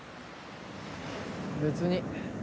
別に。